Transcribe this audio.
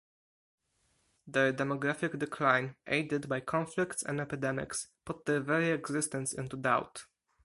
Their demographic decline, aided by conflicts and epidemics, put their very existence into doubt.